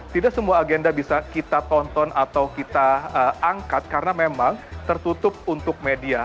tidak semua agenda bisa kita tonton atau kita angkat karena memang tertutup untuk media